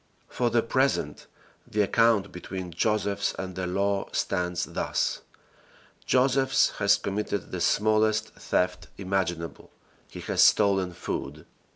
For the present, the account between Josephs and the law stands thus: Josephs has committed the smallest theft imaginable. He has stolen food.